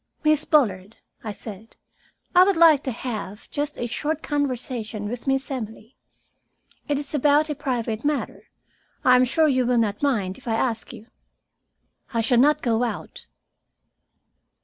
"Miss Bullard," I said. "I would like to have just a short conversation with Miss Emily. It is about a private matter. I am sure you will not mind if I ask you " "I shall not go out."